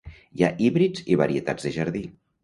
Hi ha híbrids i varietats de jardí.